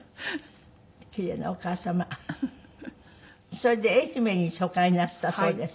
それで愛媛に疎開なすったそうですけども。